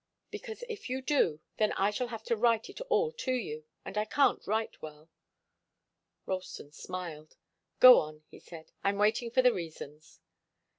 "Because if you do then I shall have to write it all to you, and I can't write well." Ralston smiled. "Go on," he said. "I'm waiting for the reasons."